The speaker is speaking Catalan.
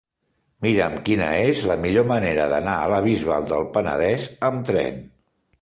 Mira'm quina és la millor manera d'anar a la Bisbal del Penedès amb tren.